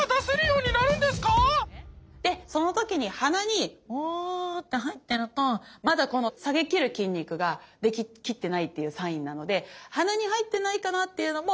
でその時に鼻にホーって入ってるとまだこの下げきる筋肉ができきってないっていうサインなので鼻に入ってないかなっていうのも。